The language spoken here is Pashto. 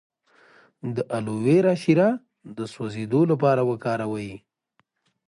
د الوویرا شیره د سوځیدو لپاره وکاروئ